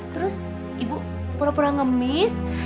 terus ibu pura pura ngemis